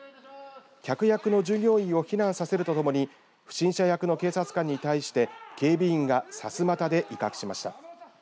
客役の従業員を避難させるとともに不審者役の警察官に対して警備員がさすまたで威嚇しました。